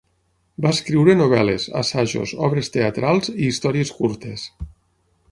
Va escriure novel·les, assajos, obres teatrals i històries curtes.